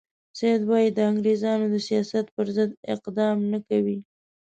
سید وایي د انګریزانو د سیاست پر ضد اقدام نه کوي.